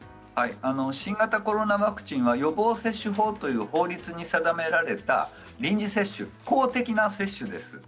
新型コロナワクチンは予防接種法という法律に定められた臨時接種、公的な接種です。